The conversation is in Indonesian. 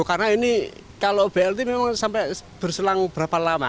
karena ini kalau bnt memang sampai berselang berapa lama